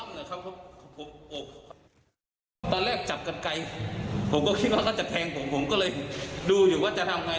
ตอนแรกจับกันไกลผมก็คิดว่าเขาจะแทงผมผมก็เลยดูอยู่ว่าจะทำไง